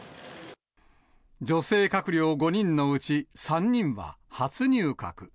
女性閣僚５人のうち、３人は初入閣。